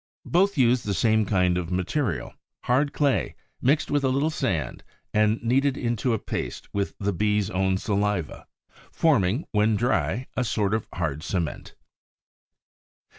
Both use the same kind of material: hard clay, mixed with a little sand and kneaded into a paste with the Bee's own saliva, forming, when dry, a sort of hard cement.